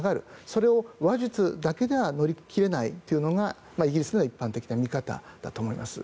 それを話術だけでは乗り切れないというのがイギリスの一般的な見方だと思います。